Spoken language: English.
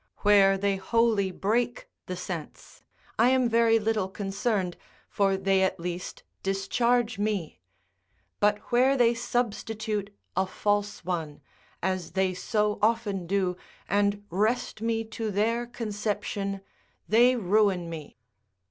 Where they wholly break the sense, I am very little concerned, for they at least discharge me; but where they substitute a false one, as they so often do, and wrest me to their conception, they ruin me.